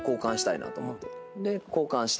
で交換して。